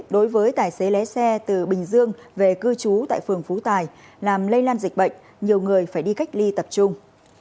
đối với tài xế lé xe từ bình dương về cư trú tại phường phú tài làm lây lan dịch bệnh nhiều người phải đi cách ly tập trung